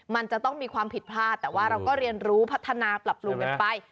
มันจะต้องมีความผิดพลาดแต่ว่าเราก็เรียนรู้พัฒนาปรับปรุงกันไป